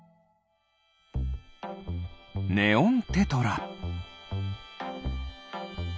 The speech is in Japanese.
ネオンテトラ。